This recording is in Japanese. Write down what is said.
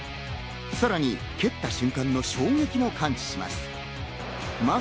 さらに蹴った瞬間の衝撃も感知します。